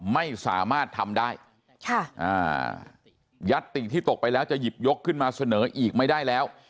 ไม่สามารถทำได้ยัตติที่ตกไปแล้วจะหยิบยกขึ้นมาเสนออีกไม่ได้แล้ว